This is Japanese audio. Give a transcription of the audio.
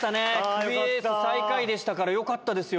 クビレース最下位でしたからよかったですよ。